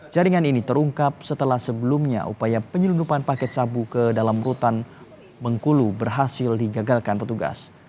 jaringan ini terungkap setelah sebelumnya upaya penyelundupan paket sabu ke dalam rutan bengkulu berhasil digagalkan petugas